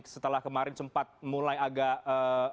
setelah kemarin sempat mulai agak terlihat ada yang menggunakan keterangan